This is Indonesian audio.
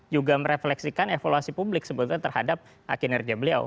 juga merefleksikan evaluasi publik sebetulnya terhadap kinerja beliau